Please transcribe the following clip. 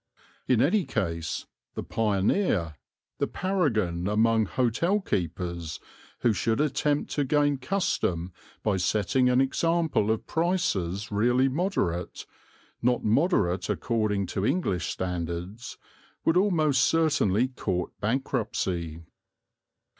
In any case the pioneer, the paragon among hotel keepers, who should attempt to gain custom by setting an example of prices really moderate, not moderate according to English standards, would almost certainly court bankruptcy.